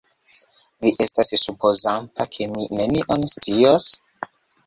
Vi estas supozanta, ke mi nenion scias?